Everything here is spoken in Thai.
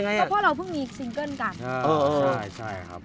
พระคมเลยย่ะ